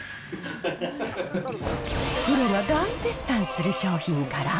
プロが大絶賛する商品から。